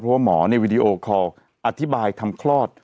เพราะว่าหมอในวีดีโอคอลอธิบายทำคลอด